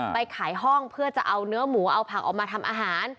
ไปขายห้องเพื่อจะเอาเนื้อหมูเอาผักออกมาทำอาหาร